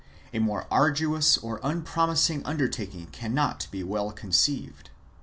524), " a more arduous or un promising undertaking cannot well be conceived."